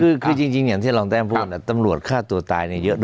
คือจริงอย่างที่รองแต้มพูดตำรวจฆ่าตัวตายเยอะนะ